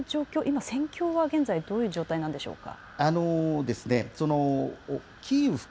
その状況、今、戦況は現在どういう状態なんでしょうか。